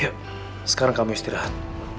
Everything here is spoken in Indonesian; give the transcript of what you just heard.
yuk sekarang kamu istirahat